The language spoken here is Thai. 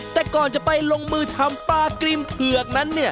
แต่ก่อนจะไปลงมือทำปลากรีมเผือกนั้นเนี่ย